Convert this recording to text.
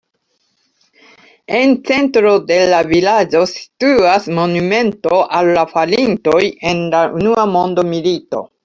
En centro de la vilaĝo situas monumento al la falintoj en la unua mondmilito.